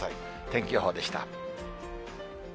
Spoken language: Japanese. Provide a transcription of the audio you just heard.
天気予報でした。